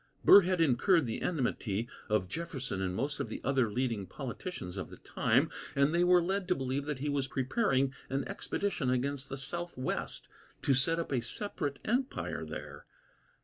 Burr had incurred the enmity of Jefferson and most of the other leading politicians of the time, and they were led to believe that he was preparing an expedition against the southwest, to set up a separate empire there.